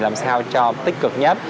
làm sao cho tích cực nhất